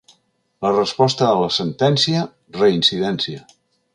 La resposta a la sentència, reincidència.